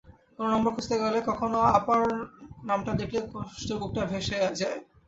কোনো নম্বর খুঁজতে গেলে কখনো আপার নামটা দেখলেই কষ্টে বুকটা ভেসে যায়।